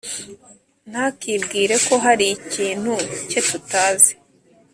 ntakibwire ko hari ikintu cye tutazi